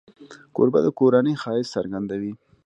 کوربه د کورنۍ ښایست څرګندوي.